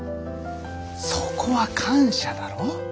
そこは感謝だろ？